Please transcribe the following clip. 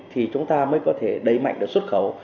thì chúng ta mới có thể đẩy mạnh được xuất khẩu